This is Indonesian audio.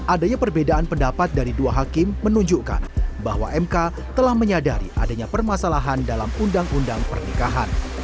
adanya perbedaan pendapat dari dua hakim menunjukkan bahwa mk telah menyadari adanya permasalahan dalam undang undang pernikahan